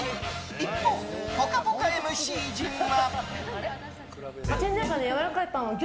一方、「ぽかぽか」ＭＣ陣は。